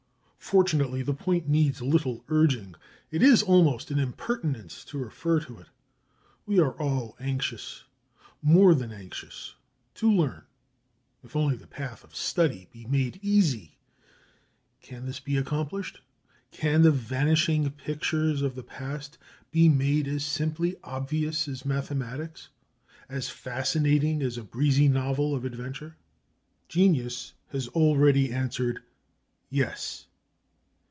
Fortunately the point needs little urging. It is almost an impertinence to refer to it. We are all anxious, more than anxious to learn if only the path of study be made easy. Can this be accomplished? Can the vanishing pictures of the past be made as simply obvious as mathematics, as fascinating as a breezy novel of adventure? Genius has already answered, yes.